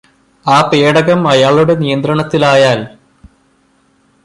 ആ പേടകം അയാളുടെ നിയന്ത്രണത്തിലായാല്